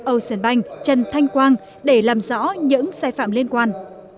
ocean bank trần thanh quang để làm rõ những sai phạm liên quan